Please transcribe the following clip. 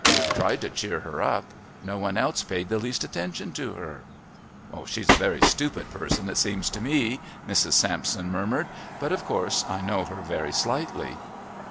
I tried to cheer her up. No one else paid the least attention to her." "She's a very stupid person, it seems to me," Mrs. Sampson murmured. "But of course I know her very slightly."